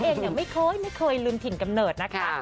เองเนี่ยไม่เคยไม่เคยลืมถิ่นกำเนิดนะคะ